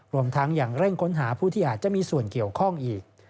รวมทั้งยังเร่งค้นหาผู้ที่อาจจะมีส่วนเกี่ยวข้องอีก